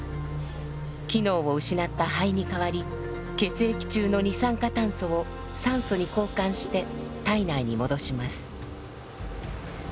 機能を失った肺に代わり血液中の二酸化炭素を酸素に交換して体内に戻します。